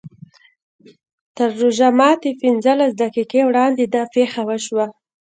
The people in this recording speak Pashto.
تر روژه ماتي پینځلس دقیقې وړاندې دا پېښه وشوه.